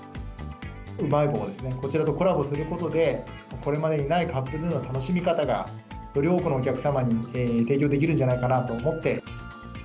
うまい棒ですね、こちらとコラボすることで、これまでにないカップヌードルの楽しみ方が、より多くのお客様に提供できるんじゃないかなと思って。